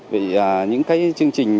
vì những cái chương trình như